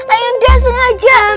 ayun dia sengaja